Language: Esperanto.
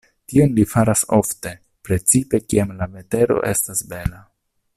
Tion li faras ofte, precipe kiam la vetero estas bela.